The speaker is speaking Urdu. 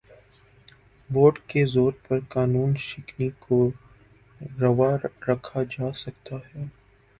ووٹ کے زور پر قانون شکنی کو روا رکھا جا سکتا ہے۔